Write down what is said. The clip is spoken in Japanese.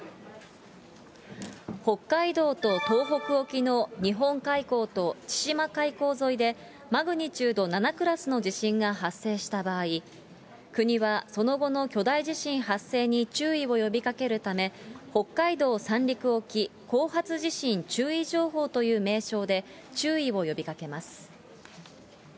北海道と東北沖の日本海溝と千島海溝沿いで、マグニチュード７クラスの地震が発生した場合、国はその後の巨大地震発生に注意を呼びかけるため、北海道・三陸沖後発地震注意情報という名称で、注意を呼びかけます。